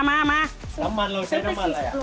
น้ำมันเราใช้น้ำมันอะไร